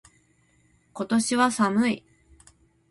今年は寒い。